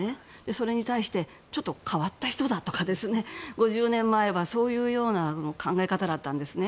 それに対してちょっと変わった人だとか５０年前は、そういうような考え方だったんですね。